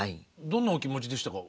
どんなお気持ちでしたか？